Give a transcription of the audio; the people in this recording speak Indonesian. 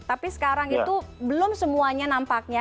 tapi sekarang itu belum semuanya nampaknya